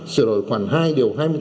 sửa đổi khoản hai điều hai mươi tám